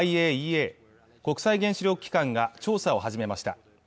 ＩＡＥＡ＝国際原子力機関が調査を始めました